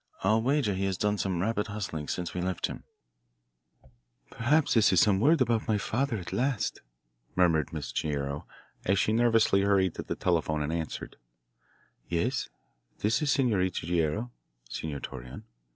I'll wager he has done some rapid hustling since we left him." "Perhaps this is some word about my father at last," murmured Miss Guerrero as she nervously hurried to the telephone, and answered, "Yes, this is Senorita Guerrero, Senor Torreon.